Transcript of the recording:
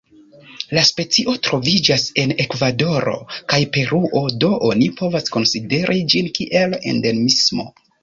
La specio troviĝas en Ekvadoro kaj Peruo, do oni povas konsideri ĝin kiel endemismo.